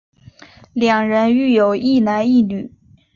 两人育有一男一女。